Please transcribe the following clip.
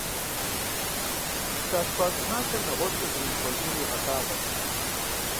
Зыщалъхуа щӀыналъэр нэгъуэщӀкӀэ зэримыхъуэжынур игъэлъагъуэрт.